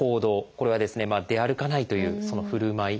これは「出歩かない」というそのふるまい。